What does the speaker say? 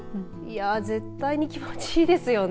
絶対に気持ちいいですよね。